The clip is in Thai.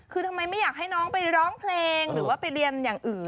คือทำไมไม่อยากให้น้องไปร้องเพลงหรือว่าไปเรียนอย่างอื่น